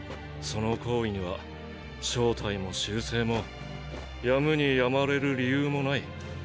その好意には正体も習性もやむにやまれぬ理由もない。